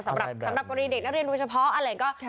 สำหรับกรณีเด็กนักเรียนโดยเฉพาะอะไรก็